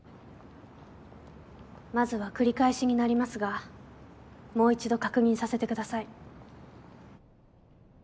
まずは繰り返しになりますがもう一度確認させてください。